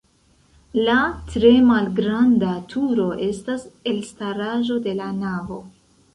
La tre malgranda turo estas elstaraĵo de la navo.